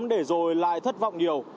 để rồi lại thất vọng nhiều